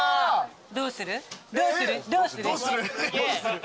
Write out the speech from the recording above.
どうする？